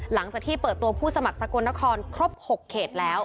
หลังจากที่เปิดตัวผู้สมัครสกลนครครบ๖เขตแล้ว